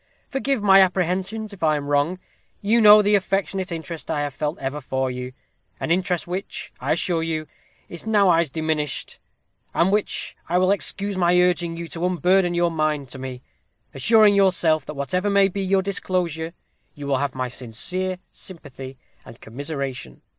Forgive my apprehensions if I am wrong. You know the affectionate interest I have ever felt for you an interest which, I assure you, is nowise diminished, and which will excuse my urging you to unburden your mind to me; assuring yourself, that whatever may be your disclosure, you will have my sincere sympathy and commiseration.